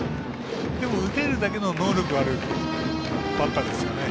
でも、打てるだけの能力はあるバッターですよね。